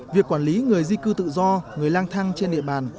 việc quản lý người di cư tự do người lang thang trên địa bàn